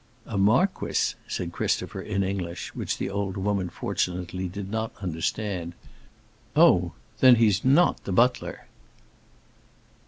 "A marquis?" said Christopher in English, which the old woman fortunately did not understand. "Oh, then he's not the butler!"